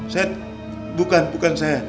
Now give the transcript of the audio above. saya bukan bukan saya